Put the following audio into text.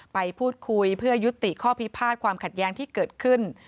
ไปพูดคุยเพื่อยุติข้อพิพาทความขัดแย้งที่เกิดขึ้น